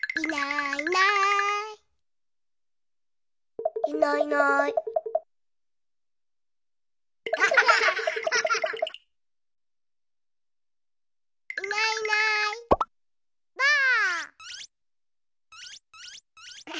いないいないばあっ！